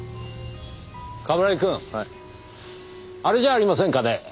あれじゃありませんかね？